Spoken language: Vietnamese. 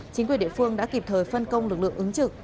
chính quyền địa phương đã kịp thời phân công lực lượng ứng trực